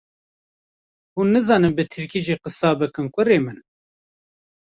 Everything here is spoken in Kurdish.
hûn nizanin bi Tirkî jî qisa bikin kurê min